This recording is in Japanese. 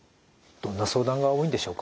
どんな相談が多いんでしょうか？